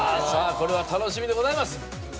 これは楽しみでございます。